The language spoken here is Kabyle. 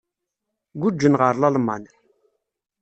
Guǧǧen ɣer Lalman.